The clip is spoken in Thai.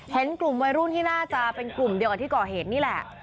เห็นกลุ่มวัยรุ่นที่น่าจะเป็นกลุ่มเดียวกับที่ก่อเหตุนี่แหละ